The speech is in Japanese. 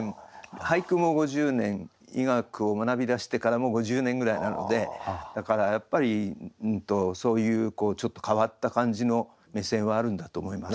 俳句も５０年医学を学びだしてからも５０年ぐらいになるのでだからやっぱりそういうちょっと変わった感じの目線はあるんだと思います。